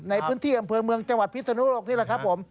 ในพื้นที่อำเภอเมืองจังหวัดพิศนุโลกนี่แหละครับผม